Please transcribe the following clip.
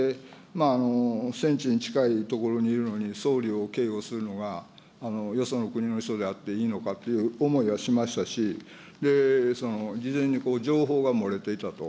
戦地に近い所にいるのに、総理を警護するのがよその国の人であっていいのかっていう思いはしましたし、事前に情報が漏れていたと。